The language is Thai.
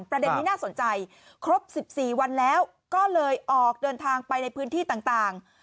ประเด็นนี้น่าสนใจครบ๑๔วันแล้วก็เลยออกเดินทางไปในพื้นที่ต่าง